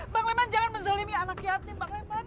bang leman jangan menzalimi anak yatim bang leman